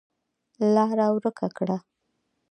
لاره ورکه کړه.